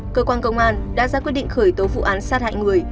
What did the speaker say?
cơ quan công an đã ra quyết định khởi tố vụ án sát hại người